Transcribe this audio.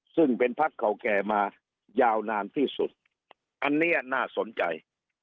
ซึ่งเป็นพักเก่าแก่มายาวนานที่สุดอันนี้น่าสนใจ